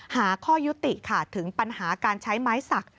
หาข้อยุติค่ะถึงปัญหาการใช้ไม้สัก